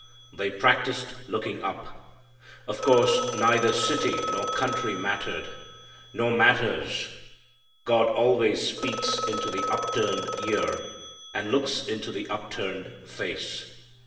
They practised looking up. Of course neither city nor country mattered, nor matters. God always speaks into the upturned ear and looks into the upturned face.